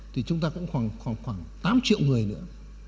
thì chúng ta cũng khoảng tám triệu người nữa